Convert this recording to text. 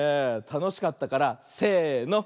たのしかったからせの。